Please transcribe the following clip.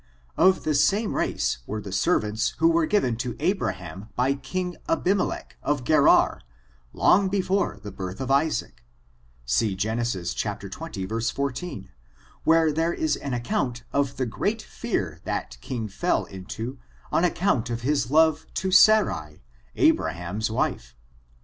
Of the same race were the servants who were given to Abraham by king Abimelech, of Gerar, long before the birth of Isaac. See Gen. xx, 14, where there is an account of the great fear that king fell into on ac count of his love to Sarai, Abraham's wife.